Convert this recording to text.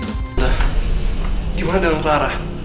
tante gimana dengan clara